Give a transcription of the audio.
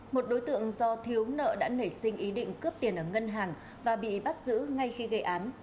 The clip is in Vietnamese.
một đối tượng do thiếu nợ đã nảy sinh ý định cướp tiền ở ngân hàng và bị bắt giữ ngay khi gây án